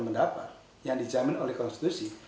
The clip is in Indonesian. pendapat yang dijamin oleh konstitusi